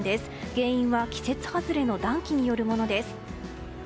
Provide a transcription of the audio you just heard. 原因は季節外れの暖気によるものです。